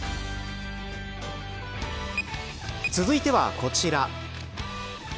続いてはこちら。